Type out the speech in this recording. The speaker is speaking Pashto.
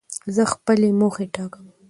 زه خپلي موخي ټاکم.